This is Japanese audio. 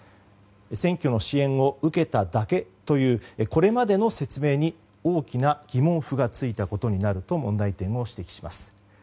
選挙の支援を受けただけというこれまでの説明に大きな疑問符が付いたことになると問題点を指摘します。